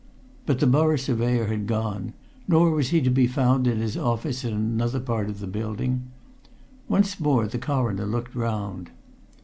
But the Borough Surveyor had gone nor was he to be found in his office in another part of the building. Once more the Coroner looked round.